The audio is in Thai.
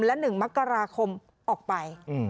และ๑มกราคมออกไป